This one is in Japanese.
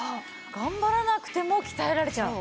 頑張らなくても鍛えられちゃう。